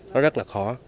nó rất là khó